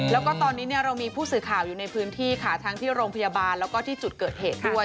แล้วก็ตอนนี้เรามีผู้สื่อข่าวอยู่ในพื้นที่ค่ะทั้งที่โรงพยาบาลแล้วก็ที่จุดเกิดเหตุด้วย